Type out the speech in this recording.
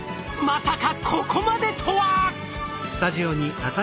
まさかここまでとは！